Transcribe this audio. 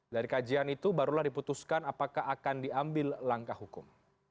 dari kajian itu barulah diputuskan apakah akan diambil langkah hukum